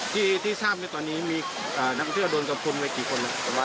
ที่ที่ทราบนี้ตอนนี้มีนักท่องเที่ยวโดนจบคุมไว้กี่คนครับ